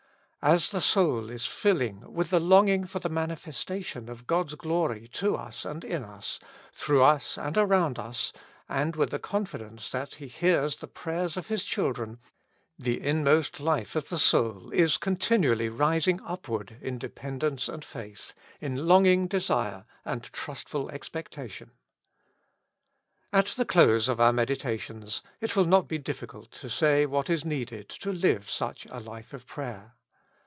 As the soul is filling with the longing for the mani festation of God's glory to us and in us, through us and around us, and with the confidence that He hears the prayers of His children, the inmost life of the soul is continually rising upward in dependence and faith, in longing desire and trustful expectation. At the close of our meditations it will not be diffi cult to say what is needed to live such a life of prayer.